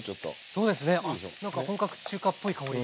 そうですね何か本格中華っぽい香り。